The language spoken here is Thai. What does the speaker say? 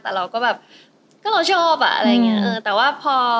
แต่เราก็แบบก็เราชอบอ่ะอะไรอย่างเงี้เออแต่ว่าพอ